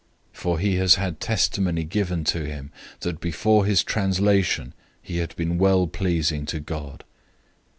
For he has had testimony given to him that before his translation he had been well pleasing to God.